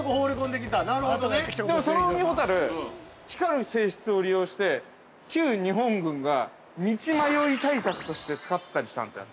でもそのウミホタル、光る性質を利用して、旧日本軍が道迷い対策として使ってたりしたんですよ。